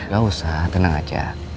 gak usah tenang aja